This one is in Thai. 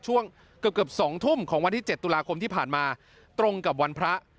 ช่วงเกือบเกือบ๒ทุ่มของวันที่๗ตุลาคมที่ผ่านมาตรงกับวันพระ